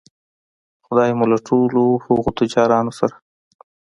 خدای مو له ټولو هغو تجارانو سره